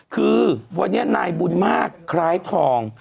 คือวันนี้นายบุญมากคล้ายทอง